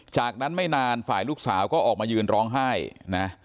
จากนั้นไม่นานฝ่ายลูกสาวก็ออกมายืนร้องไห้นะ